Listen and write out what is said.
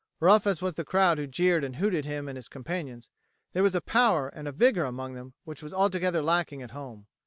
Rough as was the crowd who jeered and hooted him and his companions, there was a power and a vigour among them which was altogether lacking at home.